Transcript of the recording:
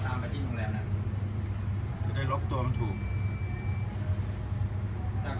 จะได้รอบตัวมันถูก